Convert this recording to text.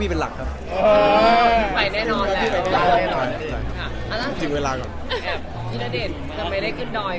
พี่ณเดชทำไมได้ขึ้นดอยค่ะนี่มายังไง